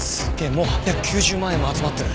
もう８９０万円も集まってる。